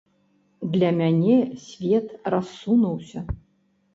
Для мяне свет рассунуўся.